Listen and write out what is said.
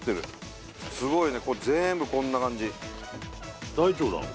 すごいねこれ全部こんな感じ。